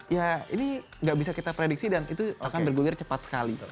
ya ini nggak bisa kita prediksi dan itu akan bergulir cepat sekali